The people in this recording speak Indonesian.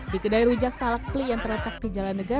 di kedai rujak salak ple yang terletak di jalan negara